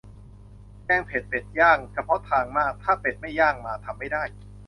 แกงเผ็ดเป็ดย่าง เฉพาะทางมาก ถ้าเป็ดไม่ย่างมา ทำไม่ได้